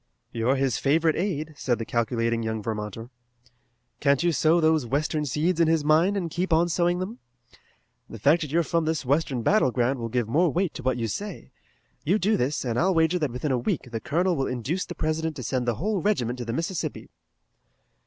"You're his favorite aide," said the calculating young Vermonter. "Can't you sow those western seeds in his mind and keep on sowing them? The fact that you are from this western battle ground will give more weight to what you say. You do this, and I'll wager that within a week the Colonel will induce the President to send the whole regiment to the Mississippi."